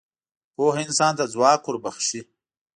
پوهه انسان ته ځواک وربخښي.